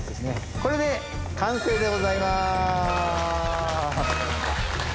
これで完成でございます。